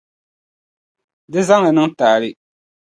Di zaŋ li niŋ taali.